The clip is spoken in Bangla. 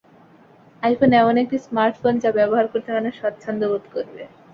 আইফোন এমন একটি স্মার্টফোন, যা ব্যবহার করতে মানুষ স্বাচ্ছন্দ্যবোধ করবে।